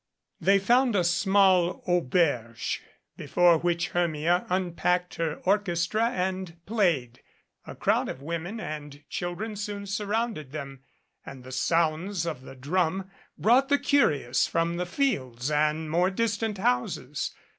They found a small auberge before which Hermia un packed her orchestra and played. A crowd of women and children soon surrounded them, and the sounds of the drum brought the curious from the fields and more dis tant houses.